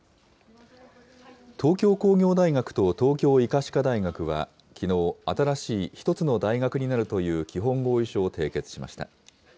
東京工業大学と東京医科歯科大学は、きのう、新しい１つの大学になるという基本合意書を締結しました。